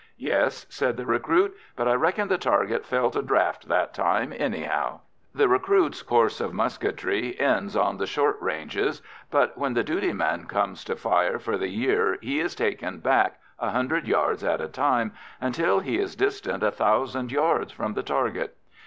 "Yes," said the recruit, "but I reckon the target felt a draught that time, anyhow." The recruits' course of musketry ends on the short ranges, but when the duty man comes to fire for the year he is taken back, a hundred yards at a time, until he is distant 1000 yards from the target.